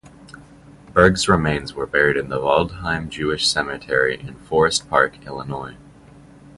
Berg's remains were buried at the Waldheim Jewish Cemetery in Forest Park, Illinois.